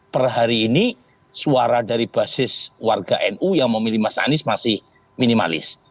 per hari ini suara dari basis warga nu yang memilih mas anies masih minimalis